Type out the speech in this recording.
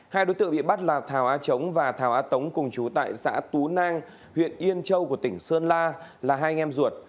hai đối tượng bị bắt là thảo a trống và thảo a tống cùng chú tại xã tú nang huyện yên châu của tỉnh sơn la là hai anh em ruột